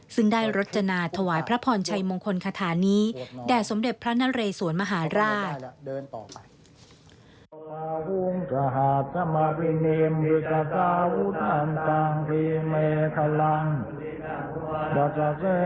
ซึ่งได้รจนาถวายพระพรชัยมงคลคาถานี้แด่สมเด็จพระนเรสวนมหาราช